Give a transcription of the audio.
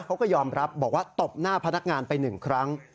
เขาก็ยอมรับบอกว่าตบหน้าพนักงานไปหนึ่งครั้ง